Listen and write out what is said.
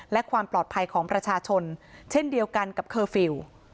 และความปลอดภัยของประชาชนเช่นเดียวกันกับเคอร์ฟิลล์